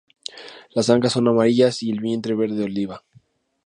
Las ancas son amarillas y el vientre, verde oliva.